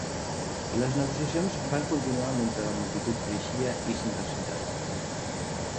Les negociacions van continuar mentre la multitud creixia i s'impacientava.